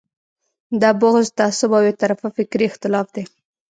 دا بغض، تعصب او یو طرفه فکري اختلاف دی.